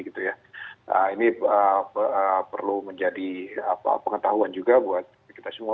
ini perlu menjadi pengetahuan juga buat kita semua